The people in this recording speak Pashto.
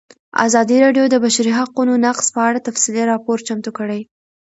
ازادي راډیو د د بشري حقونو نقض په اړه تفصیلي راپور چمتو کړی.